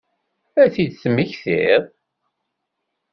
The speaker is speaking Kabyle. Ad t-id-temmektiḍ?